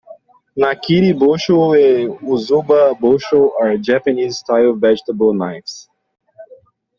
Nakiri bocho and usuba bocho are Japanese-style vegetable knives.